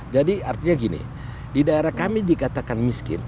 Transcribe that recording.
jadi artinya gini di daerah kami dikatakan miskin